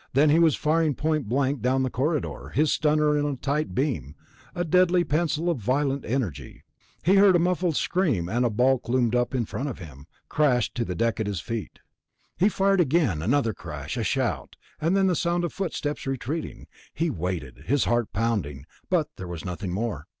Then he was firing point blank down the corridor, his stunner on a tight beam, a deadly pencil of violent energy. He heard a muffled scream and a bulk loomed up in front of him, crashed to the deck at his feet. He fired again. Another crash, a shout, and then the sound of footsteps retreating. He waited, his heart pounding, but there was nothing more.